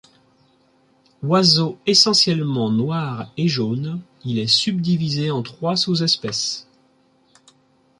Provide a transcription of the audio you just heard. Oiseau essentiellement noir et jaune, il est subdivisé en trois sous-espèces.